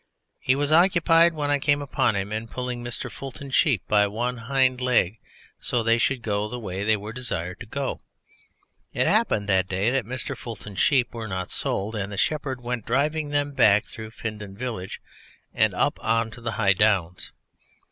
He was occupied when I came upon him in pulling Mr. Fulton's sheep by one hind leg so that they should go the way they were desired to go. It happened that day that Mr. Fulton's sheep were not sold, and the shepherd went driving them back through Findon Village, and up on to the high Downs.